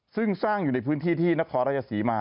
ซึ่งสร้างอยู่ในพื้นที่ที่นครราชศรีมา